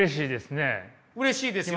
うれしいですよね。